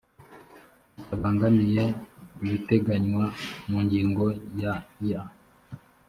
bitabangamiye ibiteganywa mu ngingo ya ya